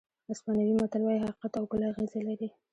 اسپانوي متل وایي حقیقت او ګل اغزي لري.